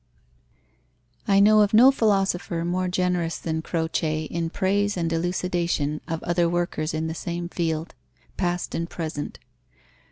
I know of no philosopher more generous than Croce in praise and elucidation of other workers in the same field, past and present.